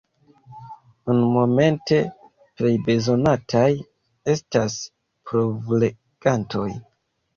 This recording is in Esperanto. Nunmomente plej bezonataj estas provlegantoj.